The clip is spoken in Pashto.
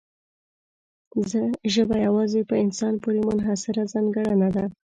ژبه یوازې په انسان پورې منحصره ځانګړنه ده.